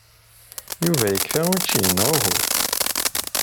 Yuba yekfa učči neɣ uhu?